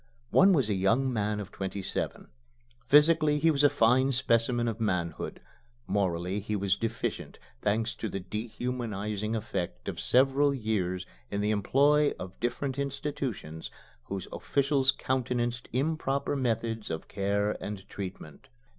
One was a young man of twenty seven. Physically he was a fine specimen of manhood; morally he was deficient thanks to the dehumanizing effect of several years in the employ of different institutions whose officials countenanced improper methods of care and treatment.